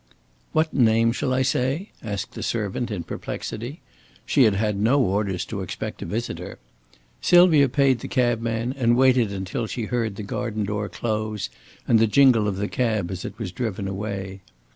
"What name shall I say?" asked the servant in perplexity. She had had no orders to expect a visitor. Sylvia paid the cabman and waited until she heard the garden door close and the jingle of the cab as it was driven away.